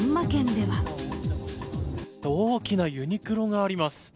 大きなユニクロがあります。